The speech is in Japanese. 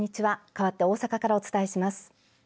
かわって大阪からお伝えします。